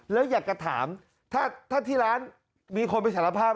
แล้วอยากจะถามถ้าที่ร้านมีคนไปสารภาพ